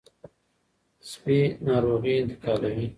سپي ناروغي انتقالوي.